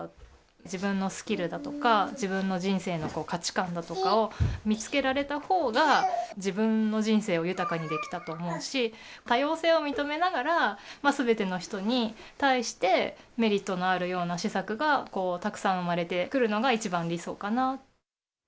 自分のスキルだとか、自分の人生の価値観だとかを見つけられたほうが、自分の人生を豊かにできたと思うし、多様性を認めながら、すべての人に対してメリットのあるような施策がたくさん生まれてくるのが一番理想かな。